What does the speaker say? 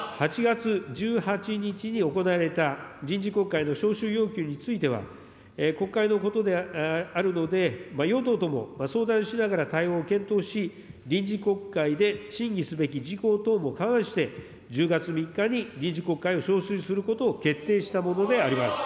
８月１８日に行われた臨時国会の召集要求については、国会のことであるので、与党とも相談しながら対応を検討し、臨時国会で審議すべき事項等も勘案して、１０月３日に臨時国会を召集することを決定したものであります。